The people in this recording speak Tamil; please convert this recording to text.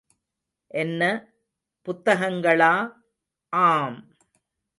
என்ன, புத்தகங்களா! ஆம்!